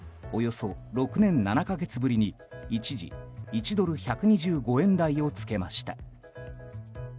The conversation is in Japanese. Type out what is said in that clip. およそ６年７か月ぶりに一時、１ドル＝１２５円台をつけました。